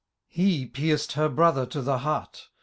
He pierced her brother to the heart.